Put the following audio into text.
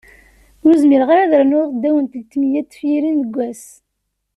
Ur zmireɣ ara rnuɣ ddaw n telt meyya n tefyirin deg wass.